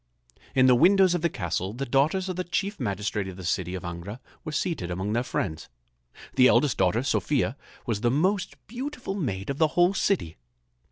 In the windows of the castle the daughters of the chief magistrate of the city of Angra were seated among their friends. The eldest daughter, Sophia, was the most beautiful maid of the whole city.